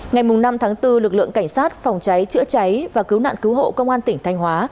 ngày năm tháng bốn lực lượng cảnh sát phòng cháy chữa cháy và cứu nạn cứu hộ công an tỉnh thanh hóa